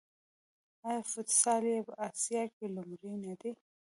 آیا فوټسال یې په اسیا کې لومړی نه دی؟